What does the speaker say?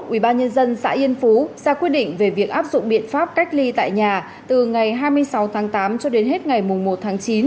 ubnd xã yên phú ra quyết định về việc áp dụng biện pháp cách ly tại nhà từ ngày hai mươi sáu tháng tám cho đến hết ngày một tháng chín